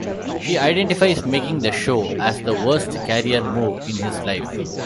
He identifies making the show as "the worst career move" in his life.